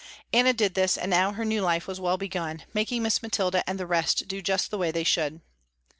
Anna did this and now her new life was well begun, making Miss Mathilda and the rest do just the way they should.